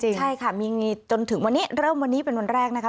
ใช่ค่ะมีจนถึงวันนี้เริ่มวันนี้เป็นวันแรกนะคะ